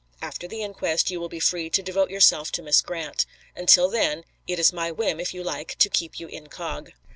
After the inquest you will be free to devote yourself to Miss Grant. Until then, it is my whim, if you like, to keep you incog."